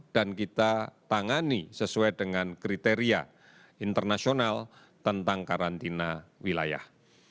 dan kita tangani sesuai dengan kriteria internasional tentang karantina wilayah